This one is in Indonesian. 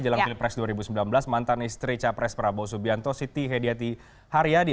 jelang pilpres dua ribu sembilan belas mantan istri capres prabowo subianto siti hediati haryadi